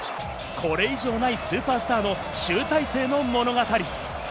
これ以上ないスーパースターの集大成の物語。